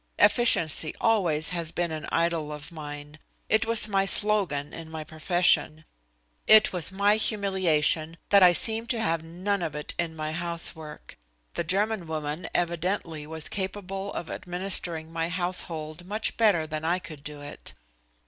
Efficiency always has been an idol of mine. It was my slogan in my profession. It is my humiliation that I seem to have none of it in my housework. The German woman evidently was capable of administering my household much better than I could do it.